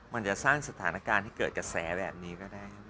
มันจะสร้างสถานการณ์ที่เกิดกระแสแบบนี้ก็ได้